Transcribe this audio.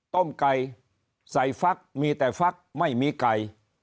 ต้มไก่ใส่ฟักมีแต่ฟักไม่มีไก่